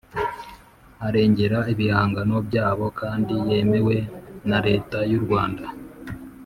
Arengera ibihangano byabo kandi yemewe na leta y’u Rwanda